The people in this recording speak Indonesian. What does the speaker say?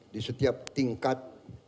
di setiap tingkat